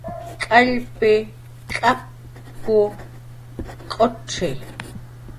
K'allpi, k'apku, k'ucxi